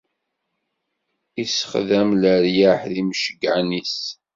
Issexdam leryaḥ d imceyyɛen-is.